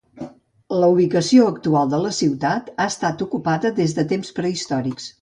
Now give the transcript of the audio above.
La ubicació actual de la ciutat ha estat ocupada des de temps prehistòrics.